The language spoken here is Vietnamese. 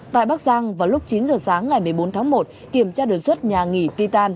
tại bắc giang vào lúc chín giờ sáng ngày một mươi bốn tháng một kiểm tra đột xuất nhà nghỉ ti tàn